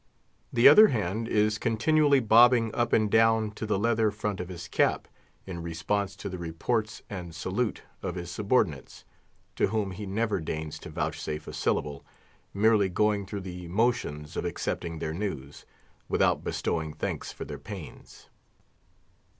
The other hand is continually bobbing up and down to the leather front of his cap, in response to the reports and salute of his subordinates, to whom he never deigns to vouchsafe a syllable, merely going through the motions of accepting their news, without bestowing thanks for their pains.